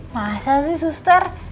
masa sih suster